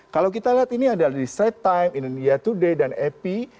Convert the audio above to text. kalau kita lihat ini adalah di sleptime indonesia today dan epi